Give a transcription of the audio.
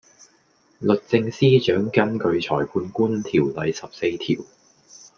律政司長根據裁判官條例十四條